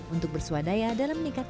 untuk bersuadaya dalam perumahan suadaya